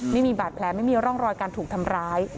ไม่มีบาดแผลไม่มีร่องรอยการถูกทำร้าย